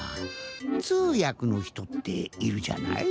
つうやくのひとっているじゃない？